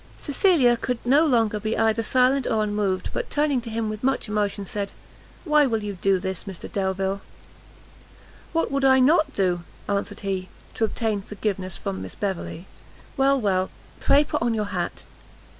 Cecilia now could no longer be either silent or unmoved, but turning to him with much emotion, said, "Why will you do this, Mr Delvile?" "What would I not do," answered he, "to obtain forgiveness from Miss Beverley?" "Well, well, pray put on your hat."